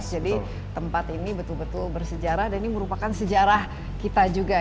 jadi tempat ini betul betul bersejarah dan ini merupakan sejarah kita juga